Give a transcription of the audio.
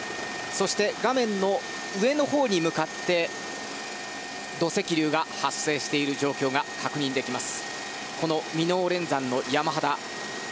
そして、画面上のほうに向かって土石流が発生している状況が確認できます。